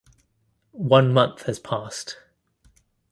One month has passed.